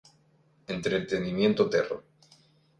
Entretenimiento Terra.